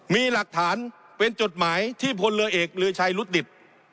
มีหลักฐานเป็นจดหมายที่พลเรือเอกลือชัยรุดดิต